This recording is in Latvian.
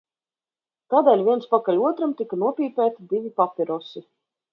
Tādēļ viens pakaļ otram tika nopīpēti divi papirosi.